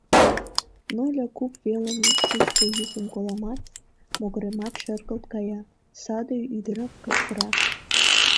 Ноля куп велым шучко йӱкым коламат, могыремат шергылт кая, — саде ӱдырак кутыра.